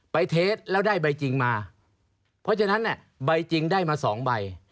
เทสแล้วได้ใบจริงมาเพราะฉะนั้นเนี่ยใบจริงได้มาสองใบ